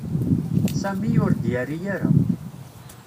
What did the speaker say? Sami ur d-yerri ara.